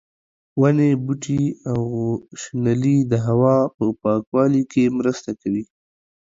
ونې، بوټي او شنېلی د هوا په پاکوالي کې مرسته کوي.